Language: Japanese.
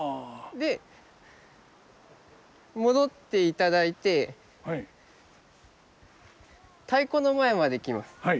で戻っていただいて太鼓の前まで来ます。